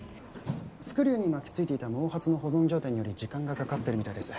スクリューに巻き付いていた毛髪の保存状態により時間がかかってるみたいです。